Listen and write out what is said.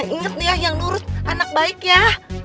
inget nih ya yang nurut anak baik ya